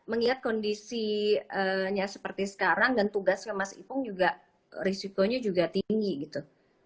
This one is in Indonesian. mengingat kondisinya seperti sekarang dan tugasnya mas ipung juga risikonya juga tinggi gitu